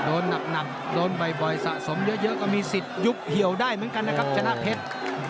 โดนหนักโดนบ่อยสะสมเยอะก็มีสิทธิ์ยุบเหี่ยวได้เหมือนกันนะครับชนะเพชร